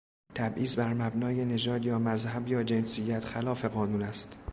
تبعیض بر مبنای نژاد یا مذهب یا جنسیت خلاف قانون است.